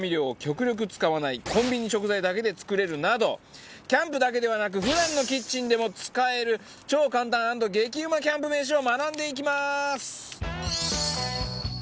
コンビニ食材だけで作れるなどキャンプだけではなく普段のキッチンでも使える超簡単＆激うまキャンプ飯を学んでいきます！